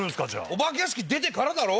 お化け屋敷出てからだろ！